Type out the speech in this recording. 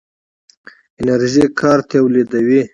انرژي کار تولیدوي.